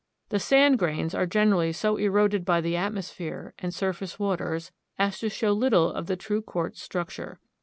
The sand grains are generally so eroded by the atmosphere and surface waters as to show little of the true quartz structure.